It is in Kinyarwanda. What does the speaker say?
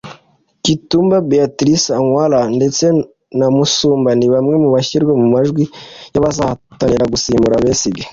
Kitgum Beatrice Anywar ndetse na Musumba ni bamwe mu bashyirwa mu majwi y’abazahatanira gusimbura Besigye